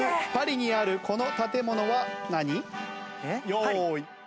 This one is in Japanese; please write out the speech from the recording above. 用意。